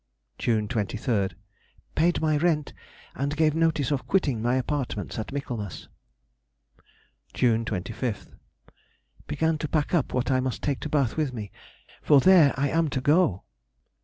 June 23rd.—Paid my rent, and gave notice of quitting my apartments at Michaelmas. June 25th.—Began to pack up what I must take to Bath with me, for there I am to go!